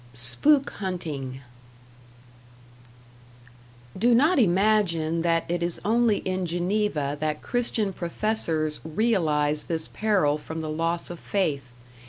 #Spook Hunting# Do not imagine that it is only in Geneva that Christian professors realize this peril from the loss of faith.